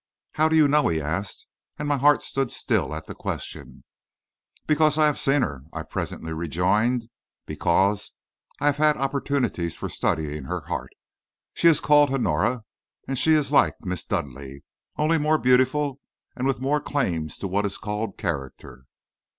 "How do you know?" he asked, and my heart stood still at the question. "Because I have seen her," I presently rejoined. "Because I have had opportunities for studying her heart. She is called Honora, and she is like Miss Dudleigh, only more beautiful and with more claims to what is called character."